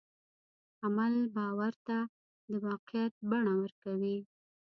عمل باور ته د واقعیت بڼه ورکوي.